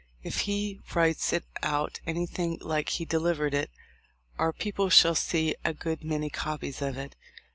If he writes it out anything like he delivered it our peo ple shall see a good many copies of it.